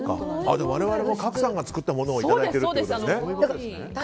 我々も郭さんが作ったものをいただいてるということですね。